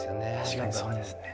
確かにそうですね。